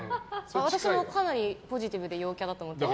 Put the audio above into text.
私もかなりポジティブで陽キャだと思ってます。